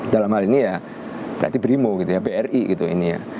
dalam hal ini ya berarti brimo gitu ya bri gitu ini ya